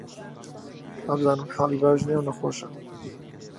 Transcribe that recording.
وابزانم حاڵی باش نییە و نەخۆشە